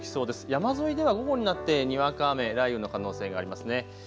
山沿いでは午後になってにわか雨、雷雨の可能性がありますね。